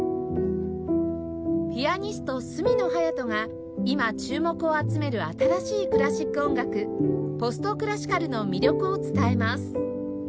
ピアニスト角野隼斗が今注目を集める新しいクラシック音楽ポストクラシカルの魅力を伝えます